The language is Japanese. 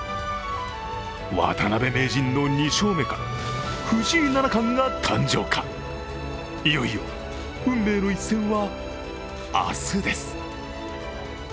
渡辺名人の２勝目か、藤井七冠の誕生か、いよいよ運命の一戦は明日です。